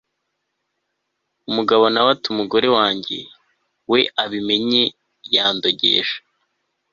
Umugabo nawe ati umugore wanjye we abimenye yandogesha